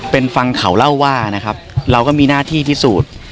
เป็นฟังเขาเล่าว่านะครับเราก็มีหน้าที่พิสูจน์